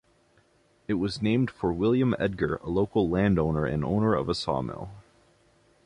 It was named for William Edgar, a local landowner and owner of a sawmill.